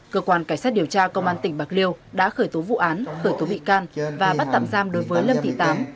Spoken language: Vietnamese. cơ quan cảnh sát điều tra công an tỉnh bạc liêu đã khởi tố vụ án khởi tố bị can và bắt tạm giam đối với lâm thị tám